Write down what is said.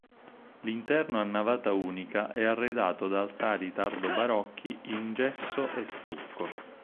L'interno a navata unica è arredato da altari tardo-barocchi in gesso e stucco.